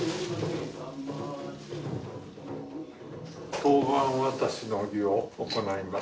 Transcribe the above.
当番渡しの儀を行います。